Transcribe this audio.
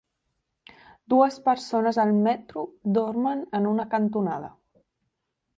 Dues persones al metro dormen en una cantonada.